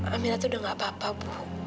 amira itu udah gak apa apa ibu